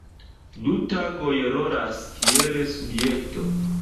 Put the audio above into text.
Du tagoj rolas kiel subjekto.